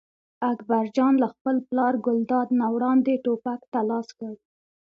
اکبر جان له خپل پلار ګلداد نه وړاندې ټوپک ته لاس کړ.